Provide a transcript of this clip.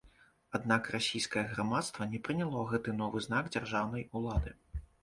Аднак расійскае грамадства не прыняло гэты новы знак дзяржаўнай улады.